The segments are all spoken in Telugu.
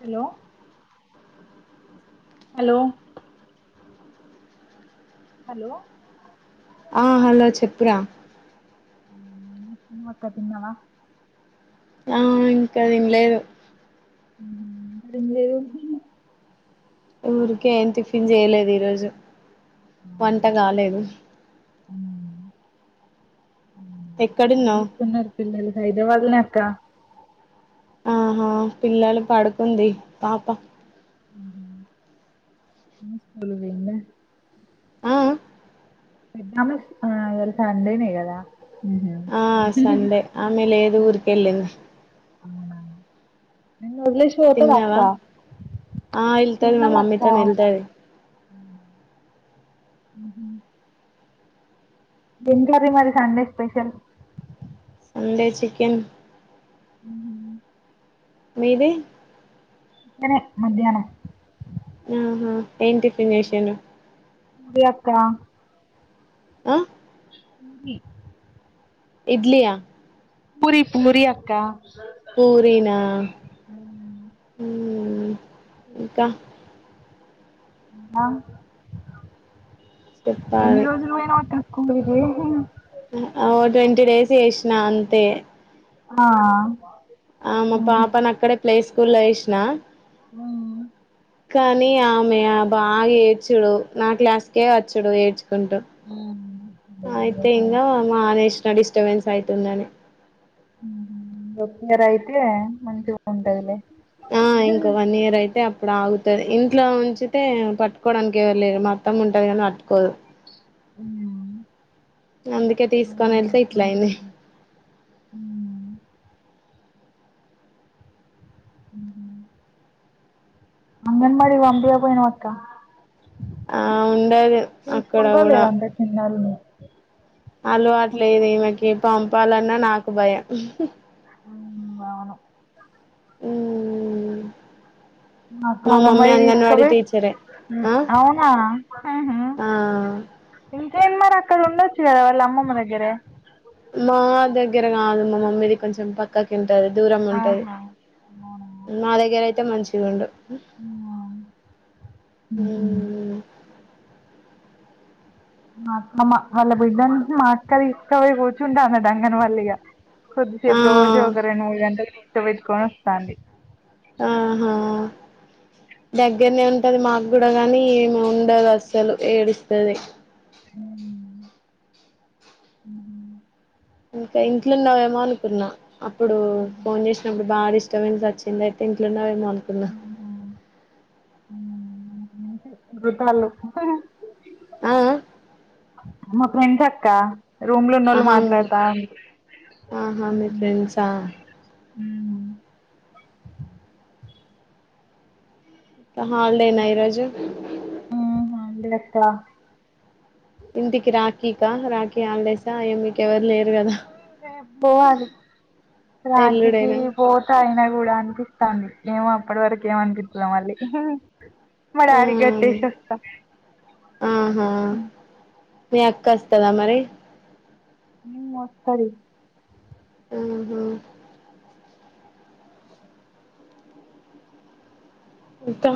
హాల్లొ హాల్లో హాలో హ హలో చెప్పురా, మొక్క తిన్నావా, ఆ ఇంకా తిన్లేదు. తినలేదు [unintelligible] ఉరికే ఏం టిఫిన్ జేయలేదు ఈరోజు అవునా వంట గాలేదు. ఏం ఎక్కడున్నావు జేస్తున్నారు? పిల్లలతో హైదరాబాదులోనే అక్కా ఆహా! పిల్ల పడుకుంది పాప. నిద్దరపోయిందా? ఆ ఆ అనుష్ ఈయాల సండే నే గదా? ఆ సండే ఆమె లేదు [unintelligible] ఊరికెళ్ళింది నిన్ను వదిలేసి తిన్నావా ఎంటిదక్కా ఆ వెళ్తది మా తిన్నామక్కా మమ్మీతోని వెళ్తది మ్ హు ఏం కర్రీ మరి సండే స్పెషల్? సండే చికెన్ మ్ మీదీ చికెనే మధ్యాహ్నం మ్ హు ఏం టిఫినషన్ చేసిండ్రు? మీ అక్కా ఆ కి ఇడ్లీ యా పూరి పూరి అక్కా పూరినా మ్ ఇంకా ఆ ఎన్ని చెప్పాలి రోజులు పోయినావు అక్కా స్కూల్ కి. ఓ ట్వంటీ డేస్ చేసినా అంతే. ఆ ఆ మా ఉమ్ పాపను అక్కడే ప్లే స్కూల్ లో వేసిన మ్ కానీ ఆమె బాగా ఏడ్చుడు నా క్లాస్కే వచ్చడు ఏడ్చు కుంటూ అయితే ఇంగ మానేసిన డిస్టర్బెన్స్ అవుతుందని. ఒక్కరైతే అయితే మంచిగా ఉంటాదిలే ఆ ఇంకో వన్ ఇయర్ అయితే. ఇప్పుడు ఆగుతాది. ఇంట్లో ఉంచితే పట్టుకోవడానికి ఎవరూ లేరు మా అత్తమ్మ ఉంటాది కానీ పట్టుకోదు. అయ్యో అందుకే తీసుకొని వెళ్తే ఇట్లా అయింది. మ్ మ్ హ్ అంగన్వాడీ కి పంపీయకపోయినావా అక్కా ఆ ఉండదు అక్కడ తీసుకుంటారో కూడా లేదో అంత చిన్నోళ్ళని. వాళ్ళు అట్లేదు ఈమెకి పంపాలన్నా నాకు భయం. హ్ హి అవును మ్ మా మమ్మీ అంగన్వాడి టీచరే ఆ అవునా, మ్ హు హూ ఆ ఇంకేం మరి అక్కడ ఉండొచ్చు కదా వాళ్ళ అమ్మమ్మ దగ్గరే మా దగ్గర కాదు మా మమ్ది కొంచం పక్క కు ఉంటాది. దూరం ఆహా ఉంటాది. అవునా. మా దగ్గర అయితే మంచిగ ఉండు. అవును ఉమ్ హూ మ్ మా అక్క వాళ్ళ బిడ్డ ను మా అక్క తీసుకపోయి కూర్చుంటా అన్నది అంగన్వాడీల ఇగా ఆ కొద్దిసేపు రోజు ఒక రెండు మూడు గంటలు కూర్చబెట్టుకొని వస్తాంది ఆహా దగ్గరనే ఉంటది మాకు కూడా గానీ ఈమె ఉండదు అస్సలు ఏడుస్తది ఉమ్ ఉహు ఇంకా ఇంట్లో ఉన్నవేమో అనుకున్నా అప్పుడు ఫోన్ జేసినప్పుడు భారిష్ తవ్విట్ల వచ్చింది అయితే ఇంట్ల ఉన్నవేమో అనుకున్నా ఆ ఉమ్ అంతే గుతాళ్ళు ఆ మా ఫ్రెండ్స్ అక్క రూమ్ లో ఉన్నోళ్ళు ఆహా మాట్లాడతా ఆహా మీ ఫ్రెండ్సా ఉ హాలిడేనా ఈరోజు హా హాలిడే అక్క ఇంటికి రాఖీ కా రాఖీ హాలిడేస్ కా మీకెవరు లేేరుగదా పోవాలి రాఖీ కి ఎల్లుడైనా పో అయినా కూడా అనిపిస్తాంది మేము అప్పటి వరకు ఏమనిపీత్తదో మళ్ళీ మా ఆ డాడికి గట్టేసి వస్తా ఆహా మీ అక్క వస్తదా మరి ఉమ్ వస్తది ఆహా ఇంత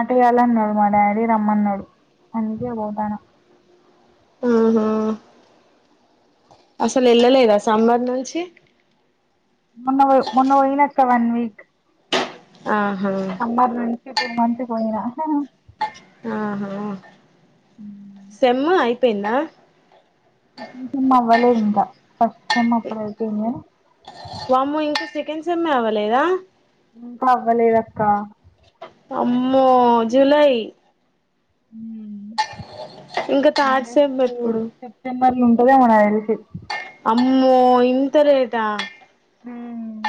అటు యేలన్నాడు మా డాడీ రమ్మన్నాడు అందుకే పోతాన్నా ఆహా అసలెళ్ళలేదా సమ్మర్ నుంచి మొన్న బోయ్ మొన్న బోయినక్క వన్ వీక్ ఆహా సమ్మర్ నుంచి టూ మంత్స్ కి పోయిన ఆహా సెమ్ అయిపోయిందా సెకండ్ సెమ్ అవ్వలేద్ ఇంకా ఫస్ట్ సెమ్ అప్పుడే అయిపోయింది కాని వామ్మో ఇంకా సెకండ్ సెమ్ ఏ అవ్వలేదా ఇంకా అవ్వలేదక్క అమ్మో జులై ఉమ్ ఇంకా థర్డ్ సెమ్ ఎప్పుడు డిసెంబర్ లో ఉంటదేమో నాకు దెలిసి అమ్మో ఇంత లేటా ఉమ్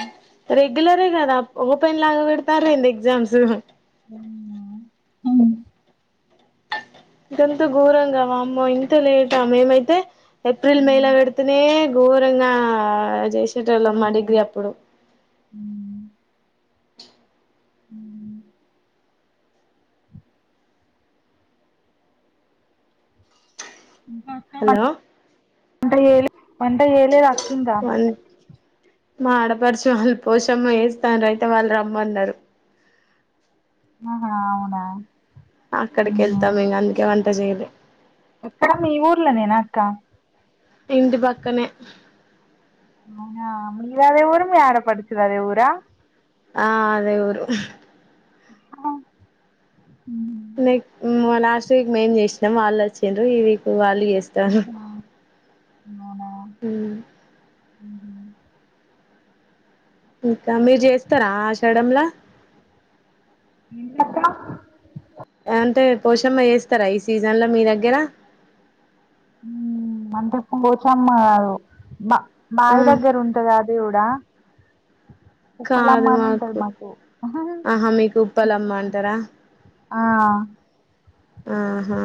రెగ్యులరే గదా ఓపెన్ లాగా పెడతారా ఏంది ఎగ్జామ్స్ ఉమ్ గంత ఘోరంగా వామ్మో ఇంత లేటా మేమైతే ఏప్రిల్ మేలా హ్మ్. పెడతేనే ఘోరంగా జేసేటోళ్ళమ్ మా డిగ్రీ హ్మ్. అప్పుడు హ్మ్. ఉమ్ ఇంకా హలో వంట చేయలే వంట చేయలేదా అక్కింగా వన్ మా ఆడపడుచు వాళ్ళు పోషమ్మ చేస్తాండ్రు అయితే వాళ్ళు రమ్మన్నారు ఆహా అవునా హుహు. అక్కడికెళ్తాం ఇంగ అందుకే వంట చేయలే ఎక్కడ మీ ఊర్ల నేనా అక్క ఇంటి పక్కనే అవునా మీదదే ఊరు మీ ఆడ పడుచుదదే ఊరా ఆ అదే ఊరు అక్కా ఊహు నెక్ లాస్ట్ వీక్ మేం చేసినాం వాళ్ళు వచ్చిండ్రు ఈ వీక్ వాళ్ళు చేస్త ఆహా అవునా ఊహు ఇంకా మీర్ చేస్తారా ఆషాడం లా ఏంటిదక్క అంటే పోషమ్మ చేస్తారా ఈ సీజన్ ల మీ దగ్గర ఊమ్ అంటే పోచమ్మ కాదు బా బావి దగ్గర ఉంటంది అది కూడా ఉప్పలమ్మ అని ఉంటది మాకు ఆహా మీకు ఉప్పలమ్మ అంటారా ఆ ఓ హో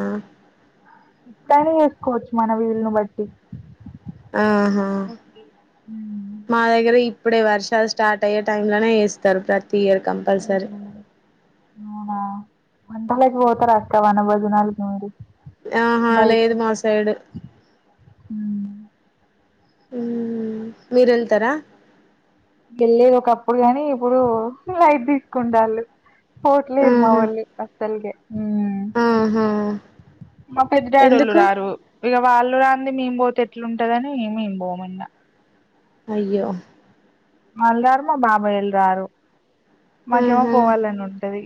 టైమ్ చేసుకోవచ్చు మన వీలుని బట్టి ఆహా మాదగ్గర ఇప్ ఇప్పుడే వర్షాలు స్టార్ట్ అయ్యే టైంలోనే జేస్తారు ప్రతి ఇయర్ ఆహ కంపల్సరీ అవునా వంటలకి పోతారా అక్క వనభోజనాలకి మీరు ఆహా బయట లేదు మా ఉంటే సైడు ఊ హ్మ్ మీరెళ్తరా గెళ్లే ఒకప్పుడు కానీ ఇప్పుడు లైట్ తీసుకుంటాళ్లు పోట్లేరు ఆహా మావాళ్ళు అస్సల్కే హ్మ్ ఆహా మా పెద్దనాయనోళ్ళు ఎందుకు రారు ఇక వాళ్ళు రాంది మేం పోతే ఎట్లుంటదని మేం పోము ఇంకా అయ్యో వాళ్ళు రారు మా బాబాయ్ వాళ్ళు రారు మాకేమో ఆహా పోవాలని ఉంటది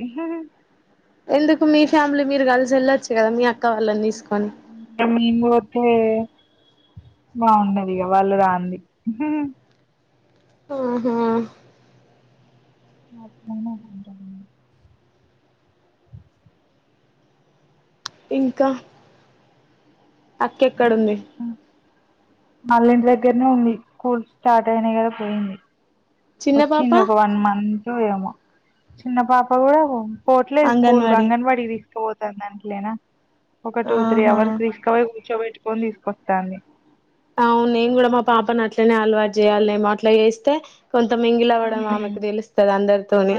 ఎందుకు మీ ఫ్యామిలీ మీరు కలిసి వెళ్ళొచ్చు కదా మీ అక్క వాళ్ళని తీసుకొని మేము పోతే బాగుండది ఇక వాళ్ళు రాంది ఆహా [unintelligible] పోయిన కొంచెం ఇంకా అక్క ఎక్కడుంది వాల్ల ఇంటి దగ్గరనే ఉంది స్కూల్స్ స్టార్ట్ అయినాయి కదా పోయింది చిన్న పాప వచ్చింది ఒక వన్ మంత్ ఏమో చిన్న పాప కూడా పోవట్లేదు స్కూల్ అంగన్వాడి అంగన్వాడీ తీసుపోతాను దానికి లేనా ఒక టూ త్రీ ఆహా అవర్స్ తీసు పోయి కూర్చోబెట్టుకొని తీసుకొస్తాంది అవును నేను కూడా మా పాపను అట్లనే అలవాటు చేయాలి ఏమో అట్లా చేస్తే కొంత మింగిలి అవ్వడం ఆమెకు తెలుస్తది అందరితోని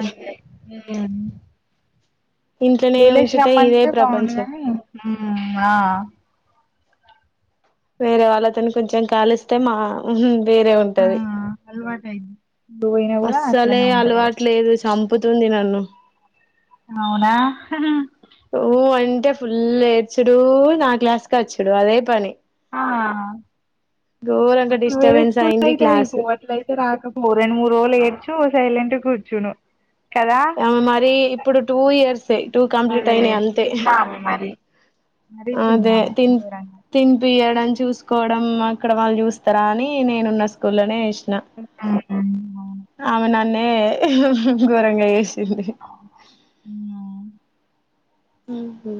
ఇంట్లొనే ఉంచితే ఇదే ప్రపంచం ఉ ఆ వేరే వాళ్ళతోని కొంచెం కాలిస్తే మా వేరే ఉంటది అలవాటయితది పోయినా కూడా అస్సలే అట్లనే ఉంటాయి అలవాటు లేదు చంపుతుంది నన్ను. అవునా ఊ అంటే ఫుల్ ఏడ్చుడు నా క్లాస్కి వచ్చుడు అదే పని ఘోరంగా అసలు వేరే డిస్టర్బెన్స్ స్కూల్లో అయింది అయితే క్లాస్ అయిపోయి అట్లయితే రాకపోవు రెండు మూడు రోజులు ఏడ్చు సైలెంట్ గా కూర్చొను కదా ఆమె మరి ఇప్పుడు టూ ఇయర్సే టూ కంప్లీట్ అదే అయినాయి అంతే మరి మరి అదే చిన్నామే తిన్ ఘోరంగా తినిపియడం చూసుకోవడం అక్కడ వాళ్ళు చూస్తారా అని నేనున్న స్కూల్లోనే వేసినా. అవును ఆమె నన్నే ఘోరంగా జేసింది. అవును మ్ హూ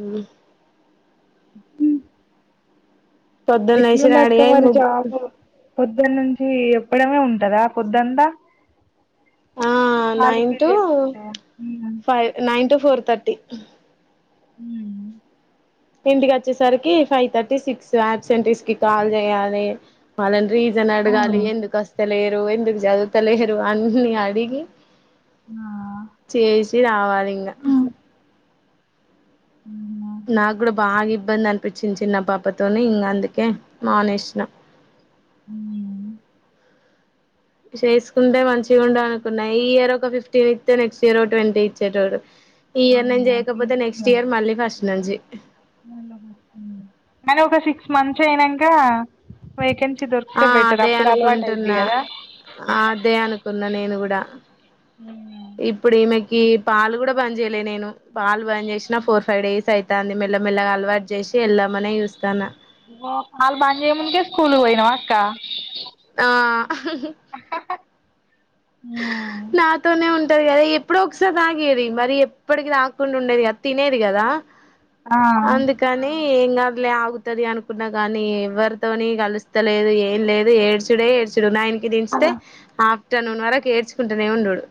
ఇ పొద్దున్న లేసి రెడీ ఎట్లున్దక్క అయి మరి ముగ్గు జాబ్ పొద్దున్న నుంచి ఎప్పుడన్నా ఉంటదా పొద్దుంతా? ఆ నైన్ టు పీరియడ్స్ ఉంటాయా five nine to four thirty. మ్ ఇంటికి వచ్చేసరికి ఫైవ్ థర్టీ సిక్స్. అబ్సెంటిస్ కి కాల్ చేయాలి వాళ్ళని రీ రీసన్ అడగాలి ఉమ్ ఎందుకు వస్తలేరు ఎందుకు చదువుతలేరు అన్నీ అడిగి ఆ చేసి రావాలి ఇంగ ఆ నాకు కూడా బాగా ఇబ్బంది అనిపించింది చిన్న పాపతోని ఇంక అందుకే మానేసినా మ్ చేసుకుంటే మంచిగా ఉంటది అనుకున్నా ఈ ఇయర్ ఒక ఫిఫ్టీన్ ఇస్తే నెక్స్ట్ ఇయర్ ఒక ట్వంటీ ఇచ్చేటోడు. ఈ ఇయర్ నేను అవును అట్లా చేయకపోతే ఇంటికి నెక్స్ట్ రమ్మ ఇయర్ మళ్ళీ ఫస్ట్ నుంచి. కానీ ఒక సిక్స్ మంత్స్ అయినాక వేకెన్సీ ఆ దొరికితే బెటర్ అదే అప్పుడు అలవాటు అయిద్ది అనుకుంటున్నా కదా? అదే అనుకున్నా నేను కూడా ఉ ఇప్పుడు ఈమెకి పాలు కూడా బంద్ చేయలే నేను పాలు బంద చేసినా ఫోర్ ఫైవ్ డేస్ అవుతాంది మెల్లమెెల్లగా అలవాటు చేసి వెళ్దామనే చూస్తున్నా. పాల్ బంద్ చేయ ముందుకే స్కూల్ పోయినావా అక్కా ఆ హ్ హి హి మ్ నాతోనే ఉంటది కదా ఎప్పుడో ఒకసారి తాగేది. మరి ఎప్పటికి తాకుండా ఉండేది కదా తినేది కదా? ఆ కానీ ఏం కాదులే ఆగుతాది అనుకున్నా. కానీ ఎవ్వరితోని కలుస్తలేదు, ఏం లేదు ఏడు చుడే ఏడ్చుడు నైన్ కి దించితే ఆఫ్టర్నూన్ వరకు ఏడ్చుకుంటూనే ఉండుడు.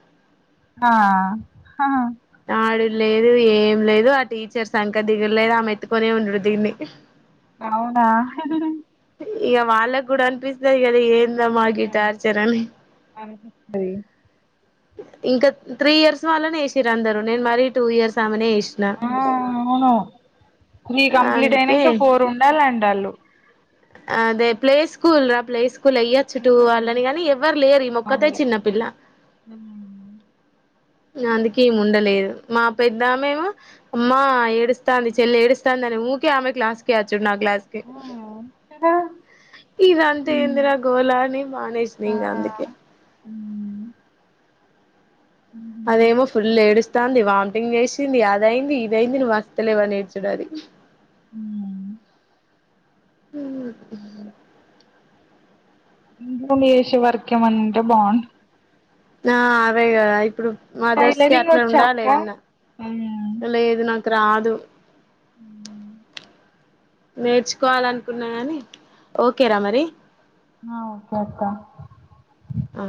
ఆ హ్ హ ఆడుడులేదు ఏం లేదు ఆ టీచర్స్ సంక దిగుడులేదు ఆమెత్తుకునే ఉండడు దీన్ని. అవునా? హ్ హి హి ఇక వాళ్ళకి కూడా అనిపిస్తాది గదా ఏందమ్మా ఈ టార్చర్ అని ఆ అది ఇంకా త్రీ ఇయర్స్ వాళ్ళనే వేసినారు. అందరూ నేను మరీ టూ ఇయర్స్ ఆమెనే వేసా. ఆ అవును త్రీ కంప్లీట్ అందుకే అయినాక ఫోర్ ఉండాలంటారు వాళ్ళు. అదే ప్లే స్కూల్ రా ప్లే స్కూల్ వెయ్యెచ్చు. చుట్టూ వాళ్ళని కాగానీ ఎవ్వరు లేరు ఈ అదే మొక్కతే ఆ చిన్నపిల్ల. అందుకేమి ఉండలేదు మా పెద్దామేమొ అమ్మా ఏడుస్తాంది చెల్లి ఏడుస్తాంది అని ఊకే ఆమె క్లాస్ కి వచ్చుడు నా క్లాస్ కి అ ఇదంతా ఏందిరా గోల అని మానేసినా ఇంక అందుకే ఊ ఉ అదేమో ఫుల్ ఏడుస్తాంది, వామిటింగ్ చేసింది అదయింది ఇదైంది నువ్వు వస్తలేవు అని ఏడ్చుడు అది. ఊ ఊ అ ఇంటి నుండి చేసే వర్క్ ఏమన్నా ఉంటే బాగుండు. ఆ అదేగద, ఇప్పుడు మదర్స్ కి టైలరింగ్ అట్లా వచ్చా ఉండాలి అక్క ఏవన్నా ఆ లేదు నాకు రాదు ఉ నేర్చుకోవాలనుకున్నా కానీ, ఓకేరా మరి ఆ, ఓకే అక్కా అ